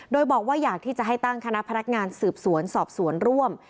โดยบอกว่าอยากที่จะให้ตั้งคณะพนักงานสืบสวนสอบสวนร่วม